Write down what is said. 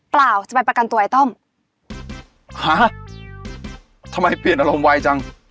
เปล่าจะไปประกันตัวไอ้ต้อมฮะทำไมเปลี่ยนอารมณ์ไวจัง